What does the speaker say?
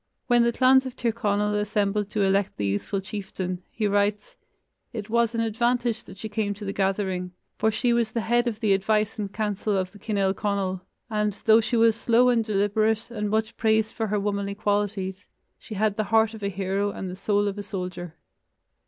When the clans of Tir Conal assembled to elect the youthful chieftain, he writes: "It was an advantage that she came to the gathering, for she was the head of the advice and counsel of the Cinel Conail, and, though she was slow and deliberate and much praised for her womanly qualities, she had the heart of a hero and the soul of a soldier."